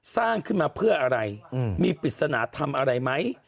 สร้างขึ้นมาเพื่ออะไรมีปริศนธรรมอะไรไหม